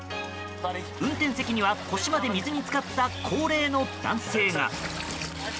運転席には腰まで水に浸かった高齢の男性が。